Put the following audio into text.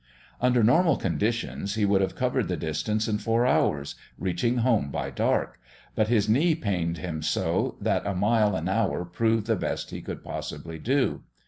Under normal conditions he could have covered the distance in four hours, reaching home by dark; but his knee pained him so that a mile an hour proved the best he could possibly do.